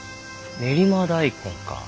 練馬大根か。